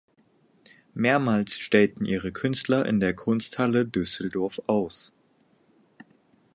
Mehrmals stellten ihre Künstler in der Kunsthalle Düsseldorf aus.